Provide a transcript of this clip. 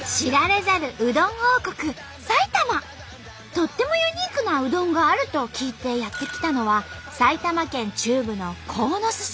とってもユニークなうどんがあると聞いてやって来たのは埼玉県中部の鴻巣市。